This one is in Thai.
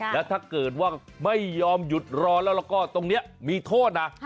แล้วถ้าเกิดว่าไม่ยอมหยุดรอแล้วก็ตรงนี้มีโทษนะ